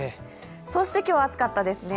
そして今日、暑かったですね。